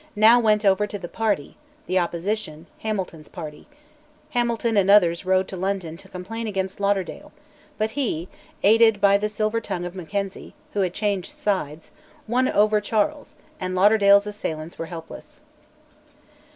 now went over to "the Party," the opposition, Hamilton's party; Hamilton and others rode to London to complain against Lauderdale, but he, aided by the silver tongue of Mackenzie, who had changed sides, won over Charles, and Lauderdale's assailants were helpless.